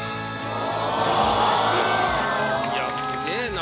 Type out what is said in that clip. いやすげぇな。